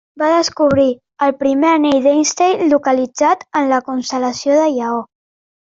Va descobrir el primer anell d'Einstein localitzat en la constel·lació del Lleó.